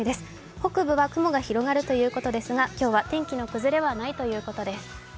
北部は雲が広がるということですが今日は天気の崩れはないということです。